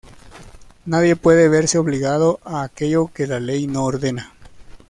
Nadie puede verse obligado a aquello que la ley no ordena.